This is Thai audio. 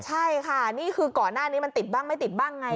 ใช่ค่ะนี่คือก่อนหน้านี้มันติดบ้างไม่ติดบ้างไง